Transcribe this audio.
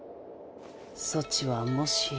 ソチはもしや。